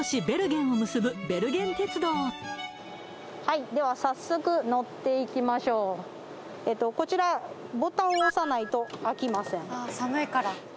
ベルゲンを結ぶベルゲン鉄道はいでは早速乗っていきましょうええとこちらボタンを押さないと開きません